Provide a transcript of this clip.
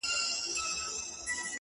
په هر کلي کي یې یو جومات آباد کړ؛